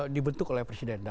dibentuk oleh presiden